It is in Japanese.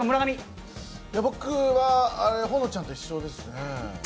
僕は保乃ちゃんと一緒ですね。